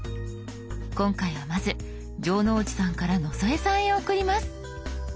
今回はまず城之内さんから野添さんへ送ります。